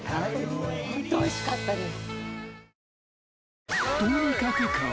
ほんとおいしかったです